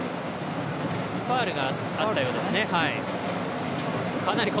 ファウルがあったようですね。